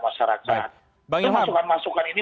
masyarakat masukan masukan ini